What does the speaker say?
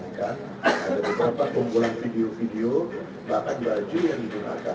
ada beberapa kumpulan video video bahkan baju yang digunakan